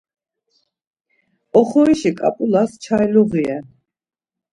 Oxorişi ǩap̆ulas çayluği ren.